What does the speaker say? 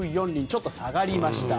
ちょっと下がりました。